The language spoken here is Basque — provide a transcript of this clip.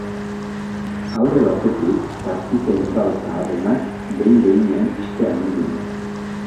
Alde batetik zazpi zentral zaharrenak behin behinean ixtea agindu du.